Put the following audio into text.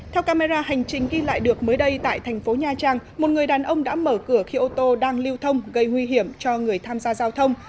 theo camera hành trình ghi lại được mới đây tại thành phố nha trang một người đàn ông đã mở cửa khi ô tô đang lưu thông gây nguy hiểm cho người tham gia giao thông